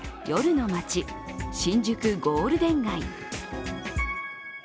夜の街、新宿ゴールデン街。